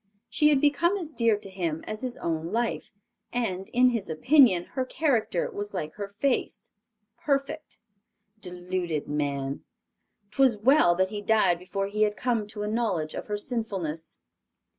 She had become as dear to him as his own life and, in his opinion, her character was like her face—perfect. Deluded man! 'Twas well that he died before he had come to a knowledge of her sinfulness.